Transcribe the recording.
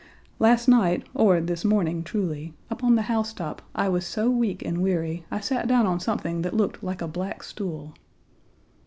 Last night, or this morning truly, up on the housetop I was so weak and weary I sat down on something that looked like a black stool.